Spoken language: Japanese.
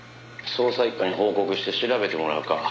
「捜査一課に報告して調べてもらうか」